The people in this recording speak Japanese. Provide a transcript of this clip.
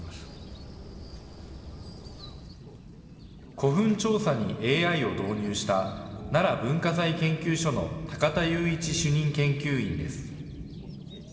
古墳調査にＡＩを導入した、奈良文化財研究所の高田祐一主任研究員です。